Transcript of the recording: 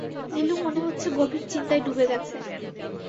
নীলু মনে হচ্ছে গভীর চিন্তায় ডুবে গেছে।